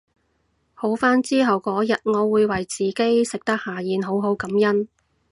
好返之後嗰日我會為自己食得下嚥好好感恩